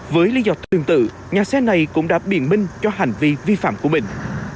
với lý do tương tự nhà xe này cũng đã biện minh cho hành vi vi phạm của mình